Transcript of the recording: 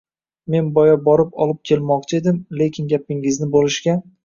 — Men boya borib olib kelmoqchi edim, lekin gapingizni bo‘lishga...